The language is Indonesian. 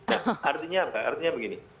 ya artinya apa artinya begini